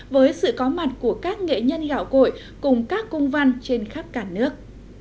với sự có mặt của các nghệ nhân gạo cội cùng các cung văn trên khắp cả nước